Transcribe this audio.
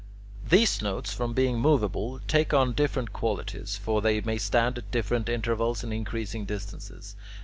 These notes, from being moveable, take on different qualities; for they may stand at different intervals and increasing distances.